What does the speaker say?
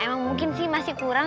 emang mungkin sih masih kurang